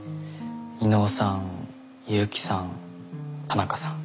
威能さん悠木さん田中さん。